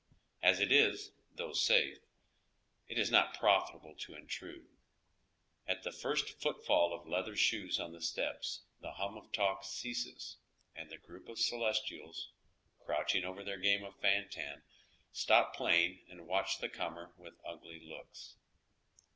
As it is, though safe, it is not profitable to intrude. At tlie first foot fall of leather soles on the steps the hum of talk ceases, and the group of celestials, crouching over theii game of fan tan, stop playing and watch the comer with ugly looks.